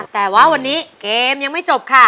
แต่ว่าวันนี้เกมยังไม่จบค่ะ